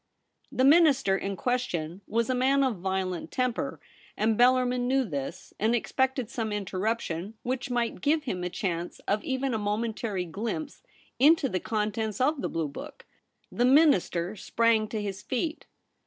The Minister in question was a man of violent temper, and Bellarmin knew this, and expected some interruption, which might give him a chance of even a momentary glimpse into the contents of the blue book. The Minister sprang to his feet.